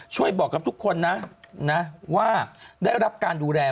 ช่วยบอกกับทุกคนนะว่าได้รับการดูแล